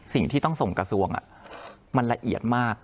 สิ่งที่ต้องส่งกระทรวงมันละเอียดมาก